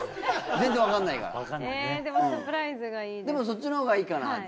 でもそっちのほうがいいかな。